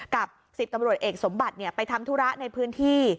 กับ๑๐ตำรวจเอกสมบัติไปทำธุระในพื้นที่